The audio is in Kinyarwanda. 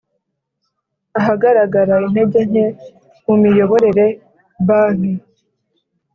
ahagaragara intege nke mu miyoborere Banki